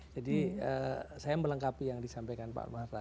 jadi saya melengkapi yang disampaikan pak mar tadi